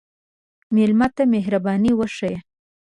مېلمه ته مهرباني وښیه.